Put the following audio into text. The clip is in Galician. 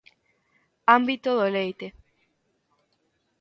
Ámbito do leite.